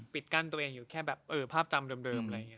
ปิดกั้นตัวเองอยู่แค่แบบภาพจำเดิม